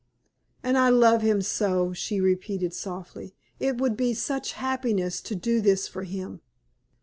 "And I love him so," she repeated, softly. "It would be such happiness to do this for him.